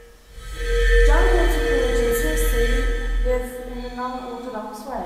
Jung, who took religion seriously, if in an un-orthodox way.